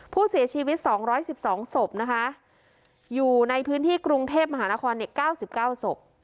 ผู้เสียชีวิตสองร้อยสิบสองศพนะคะอยู่ในพื้นที่กรุงเทพมหานครเน็ตเก้าสิบเก้าศพ